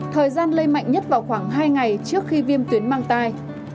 thời gian lây mạnh nhất vào khoảng hai ngày trước khi viêm tuyến mang tai